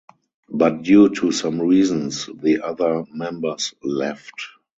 But due to some reasons the other members left.